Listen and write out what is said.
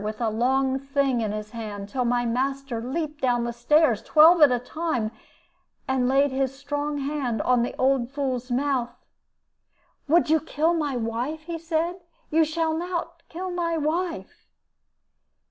with a long thing in his hand, till my master leaped down the stairs, twelve at a time, and laid his strong hand on the old fool's mouth. "'Would you kill my wife?' he said; 'you shall not kill my wife.'